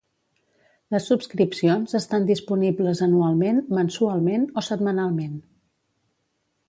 Les subscripcions estan disponibles anualment, mensualment o setmanalment.